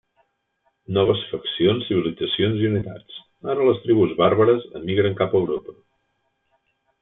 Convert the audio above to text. Noves faccions, civilitzacions i unitats: ara les tribus bàrbares emigren cap a Europa.